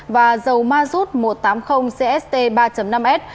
và dầu mazut một trăm tám mươi cst ba năm s